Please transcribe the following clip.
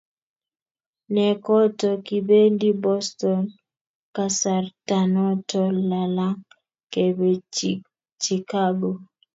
nekoto kibendi Boston kasartanoto lalang, kebe Chikago